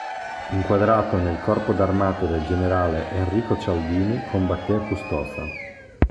Inquadrato nel Corpo d'armata del generale Enrico Cialdini combatté a Custoza.